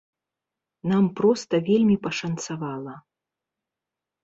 Нам проста вельмі пашанцавала.